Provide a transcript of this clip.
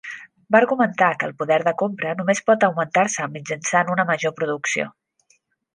Va argumentar que el poder de compra només pot augmentar-se mitjançant una major producció.